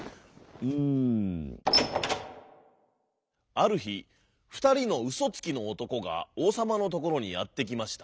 あるひふたりのうそつきのおとこがおうさまのところにやってきました。